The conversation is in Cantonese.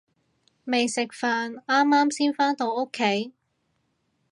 未食飯，啱啱先返到屋企